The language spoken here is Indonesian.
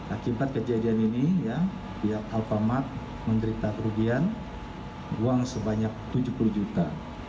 akibat kejadian ini pihak alfamat mencerita kerugian buang sebanyak tujuh puluh juta